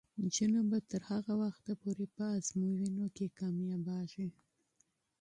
نجونې به تر هغه وخته پورې په ازموینو کې کامیابیږي.